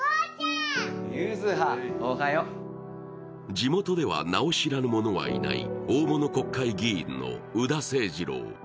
地元では名を知らぬ者はいない大物国会議員の宇田清治郎。